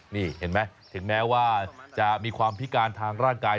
นี่เห็นไหมถึงแม้ว่าจะมีความพิการทางร่างกาย